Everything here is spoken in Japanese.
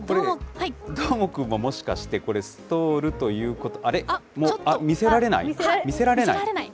どーもくんも、もしかして、これ、ストールということ、あれ？見せられない？